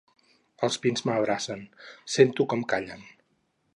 Els pins m’abracen, sento com callen.